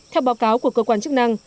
theo báo cáo của cơ quan chức năng